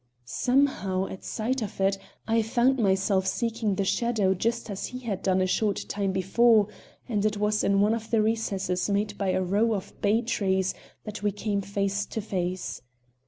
Somehow, at sight of it, I found myself seeking the shadow just as he had done a short time before, and it was in one of the recesses made by a row of bay trees that we came face to face.